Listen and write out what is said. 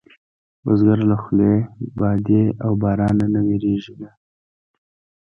بزګر له خولې، بادې او بارانه نه وېرېږي نه